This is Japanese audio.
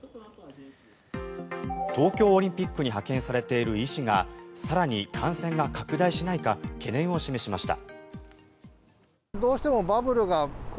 東京オリンピックに派遣されている医師が更に感染が拡大しないか懸念を示しました。